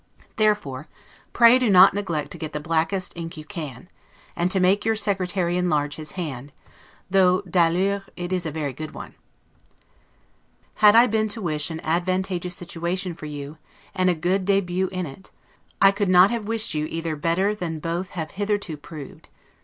Therefore, pray do not neglect to get the blackest ink you can; and to make your secretary enlarge his hand, though 'd'ailleurs' it is a very good one. Had I been to wish an advantageous situation for you, and a good debut in it, I could not have wished you either better than both have hitherto proved.